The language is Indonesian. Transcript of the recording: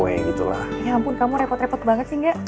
ya ampun kamu repot repot banget sih enggak